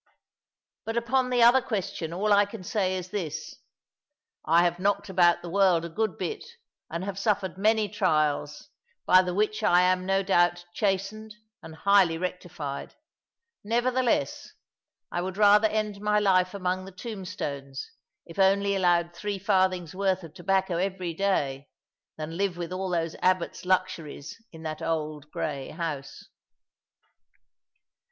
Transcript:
But upon the other question all that I can say is this: I have knocked about the world a good bit, and have suffered many trials, by the which I am, no doubt, chastened and highly rectified; nevertheless, I would rather end my life among the tomb stones, if only allowed three farthings' worth of tobacco every day, than live with all those abbots' luxuries in that old grey house.